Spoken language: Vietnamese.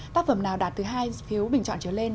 tác phẩm nào đạt từ hai phiếu bình chọn trở lên